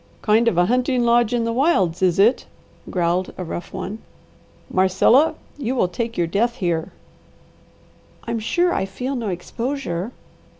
"Kind of a hunting lodge in the wilds, is it?" growled a rough one. "Marcella, you will take your death here!" "I'm sure I feel no exposure.